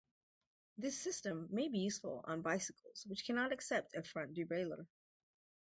This system may be useful on bicycles which cannot accept a front derailleur.